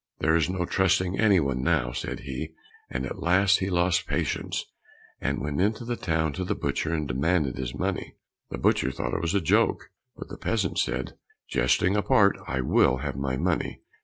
"There is no trusting any one now," said he; and at last he lost patience, and went into the town to the butcher and demanded his money. The butcher thought it was a joke, but the peasant said, "Jesting apart, I will have my money!